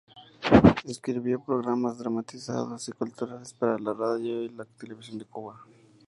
Escribió programas dramatizados y culturales para la radio y la televisión de Cuba.